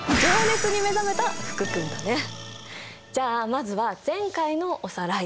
じゃあまずは前回のおさらい。